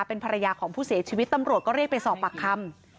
เป็นภรรยาของผู้เสียชีวิตตำรวจก็เรียกไปสอบปากคำ